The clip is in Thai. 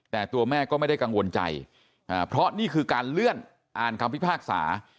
แต่ตัวแม่ก็ไม่ได้กังวลใจเพราะนี่คือการเลื่อนอ่านคำพิพากษา